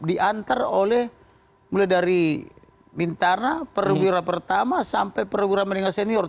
diantar oleh mulai dari mintara perwira pertama sampai perwira meninggal senior